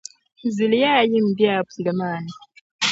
Zuliya ayi m-be a pul’ maa ni.